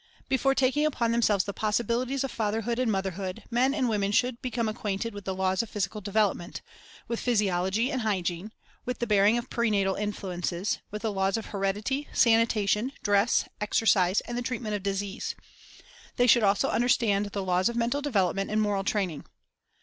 Before taking upon themselves the possibilities of fatherhood and mother hood, men and women should become acquainted with the laws of physical development, — with physiology and hygiene, with the bearing of prenatal influences, with the laws of heredity, sanitation, dress, exercise, and the treat ment of disease; they should also understand the laws of mental development and moral training.